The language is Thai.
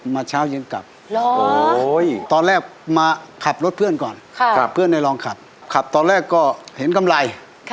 เช้าเย็นกลับตอนแรกมาขับรถเพื่อนก่อนเพื่อนได้ลองขับขับตอนแรกก็เห็นกำไร